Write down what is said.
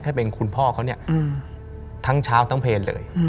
ถ้าเป็นคุณพ่อเขาเนี่ยทั้งเช้าทั้งเพลงเลย